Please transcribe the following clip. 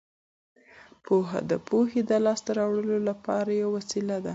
پوهه د پوهې د لاسته راوړلو لپاره یوه وسیله ده.